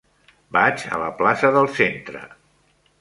Vaig a la plaça del Centre.